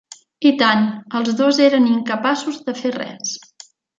I tant, els dos eren incapaços de fer res.